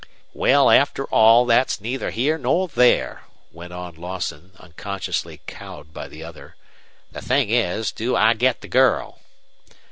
"Well, after all, that's neither here nor there," went on Lawson, unconsciously cowed by the other. "The thing is, do I get the girl?"